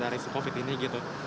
dari covid sembilan belas ini gitu